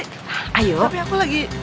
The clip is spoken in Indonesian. tapi aku lagi